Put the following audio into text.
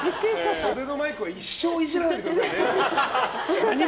袖のマイクは一生イジらないでくださいね。